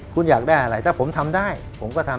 คุณอยากได้อะไรถ้าผมทำได้ผมก็ทำ